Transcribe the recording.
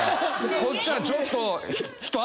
こっちはちょっと。